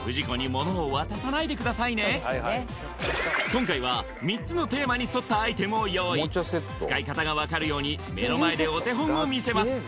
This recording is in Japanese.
今回は３つのテーマに沿ったアイテムを用意使い方がわかるように目の前でお手本を見せます